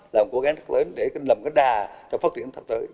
là một cố gắng rất lớn để làm cái đà cho phát triển thật tối